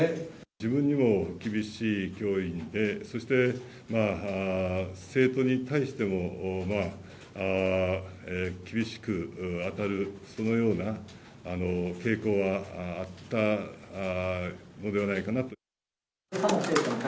自分にも厳しい教員で、そして、生徒に対しても、厳しく当たる、そのような傾向はあったのではないかなと。